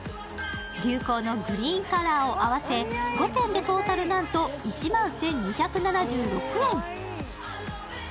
流行のグリーンカラーを合わせ、５点でトータルなんと１万１２７６円。